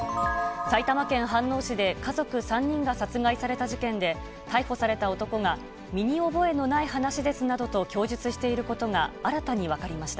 埼玉県飯能市で家族３人が殺害された事件で、逮捕された男が、身に覚えのない話ですなどと供述していることが、新たに分かりました。